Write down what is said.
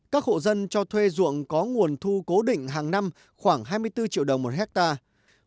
các hộ dân cho thuê ruộng có nguồn thu cố định hàng năm khoảng hai mươi bốn triệu đồng một hectare